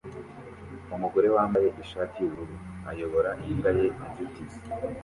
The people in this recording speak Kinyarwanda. Umugore wambaye ishati yubururu ayobora imbwa ye inzitizi